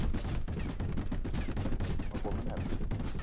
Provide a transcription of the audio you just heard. Mevo me ne abe.